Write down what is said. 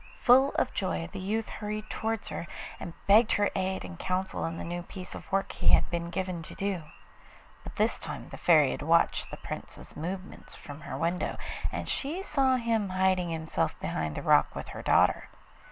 Full of joy the youth hurried towards her, and begged her aid and counsel in the new piece of work he had been given to do. But this time the Fairy had watched the Prince's movements from her window, and she saw him hiding himself behind the rock with her daughter.